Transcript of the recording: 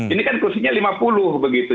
ini kan kursinya lima puluh begitu